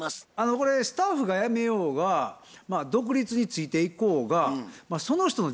これスタッフが辞めようが独立についていこうがその人の自由やと思うんですよ。